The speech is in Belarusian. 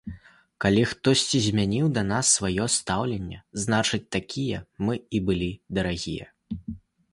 Калі хтосьці змяніў да нас сваё стаўленне, значыць, такія мы ім былі дарагія.